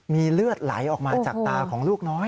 มีเลือดไหลออกมาจากตาของลูกน้อย